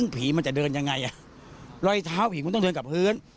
ผีมันจะเดินยังไงรอยเท้าผีมันต้องเดินกับพื้น